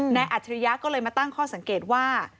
อัจฉริยะก็เลยมาตั้งข้อสังเกตว่า